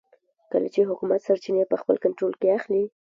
کله چې حکومت سرچینې په خپل کنټرول کې اخلي.